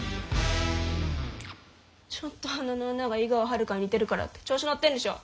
ちょっと鼻の穴が井川遥に似てるからって調子乗ってんでしょ。